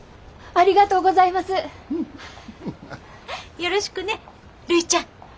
よろしくねるいちゃん。